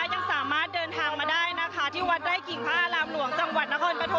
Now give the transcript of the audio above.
ยังสามารถเดินทางมาได้นะคะที่วัดไร่กิ่งพระอารามหลวงจังหวัดนครปฐม